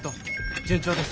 順調です。